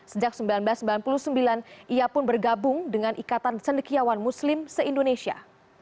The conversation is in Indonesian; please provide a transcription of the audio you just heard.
sejak seribu sembilan ratus sembilan puluh sembilan ia pun bergabung dengan ikatan cendekiawan muslim se indonesia